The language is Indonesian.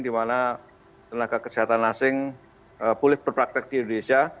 dimana tenaga kesehatan asing boleh berpraktek di indonesia